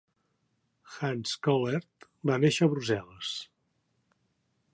Hans Collaert va néixer a Brusel·les.